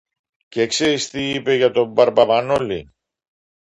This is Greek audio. Και ξέρεις τι είπε για τον μπαρμπα-Μανόλη!